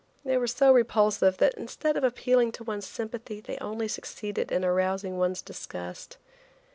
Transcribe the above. They were so repulsive that instead of appealing to one's sympathy they only succeed in arousing one's disgust.